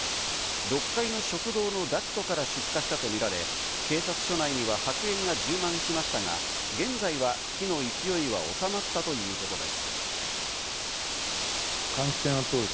６階の食堂のダクトから出火したとみられ、警察署内には白煙が充満しましたが、現在は火の勢いはおさまったということです。